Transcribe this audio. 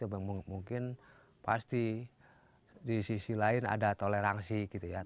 mungkin pasti di sisi lain ada toleransi gitu ya